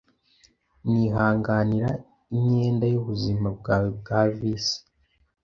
Nihanganira imyenda y'ubuzima bwawe bwa visi